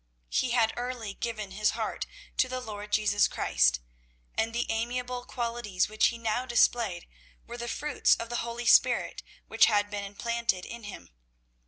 He had early given his heart to the Lord Jesus Christ, and the amiable qualities which he now displayed were the fruits of the Holy Spirit which had been implanted in him.